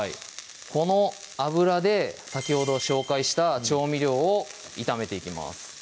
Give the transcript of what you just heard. この油で先ほど紹介した調味料を炒めていきます